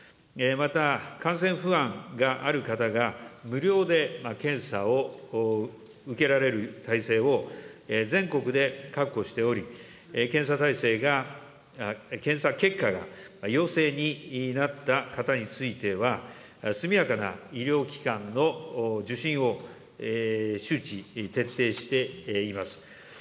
また、感染不安がある方が、無料で検査を受けられる体制を全国で確保しており、検査結果が陽性になった方については、速やかな医療機関の受診を周知徹底しています。